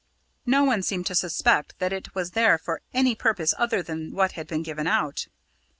No one seemed to suspect that it was there for any purpose other than what had been given out.